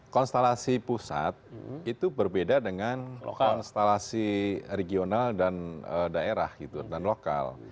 konstelasi pusat itu berbeda dengan konstelasi regional dan daerah gitu dan lokal